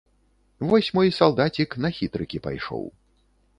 Вось мой салдацік на хітрыкі пайшоў.